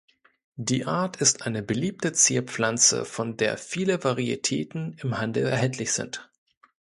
Die Art ist eine beliebte Zierpflanze, von der viele Varietäten im Handel erhältlich sind.